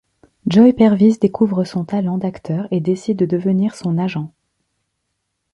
Joy Pervis découvre son talent d'acteur et décide de devenir son agent.